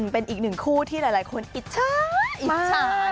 เป็นอีกหนึ่งคู่ที่หลายคนอิจฉาอิจฉา